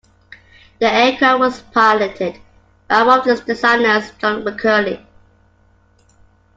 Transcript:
The aircraft was piloted by one of its designers, John McCurdy.